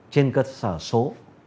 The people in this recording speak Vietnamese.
trên cơ sở số